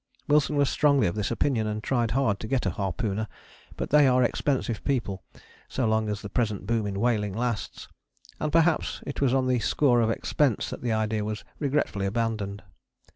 Wilson was strongly of this opinion and tried hard to get a harpooner, but they are expensive people so long as the present boom in whaling lasts, and perhaps it was on the score of expense that the idea was regretfully abandoned.